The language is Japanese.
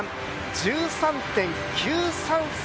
１３．９３３